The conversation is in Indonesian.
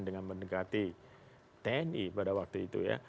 dengan mendekati tni pada waktu itu ya